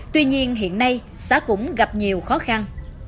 tuy nhiên hiện nay xã cũng gặp nhiều khó khăn